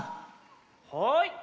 はい！